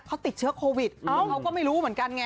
เขาติดเชื้อโควิดเขาก็ไม่รู้เหมือนกันไง